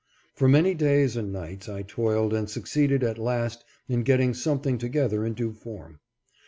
For many days and nights I toiled, and succeeded at last in getting something together in due form.